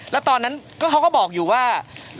แล้วตอนนั้นเขาก็บอกอยู่ว่า